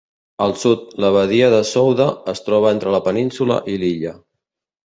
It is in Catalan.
Al sud, la badia de Souda es troba entre la península i l'illa.